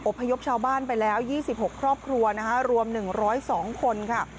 พยพชาวบ้านไปแล้ว๒๖ครอบครัวนะคะรวม๑๐๒คนค่ะ